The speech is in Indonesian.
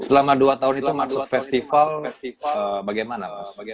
selama dua tahun itu masuk festival bagaimana mas